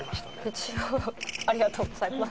「一応ありがとうございます」